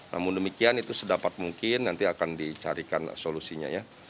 namun demikian itu sedapat mungkin nanti akan dicarikan solusinya ya